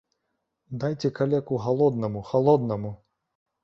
Дайце калеку галоднаму, халоднаму!